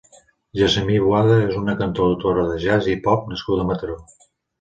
Gessamí Boada és una cantautora de jazz i pop nascuda a Mataró.